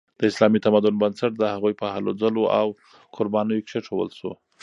د اسلامي تمدن بنسټ د هغوی په هلو ځلو او قربانیو کیښودل شو.